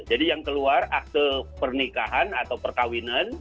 jadi yang keluar akte pernikahan atau perkawinan